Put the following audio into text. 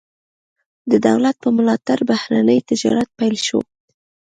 د دولت په ملاتړ بهرنی تجارت پیل شو.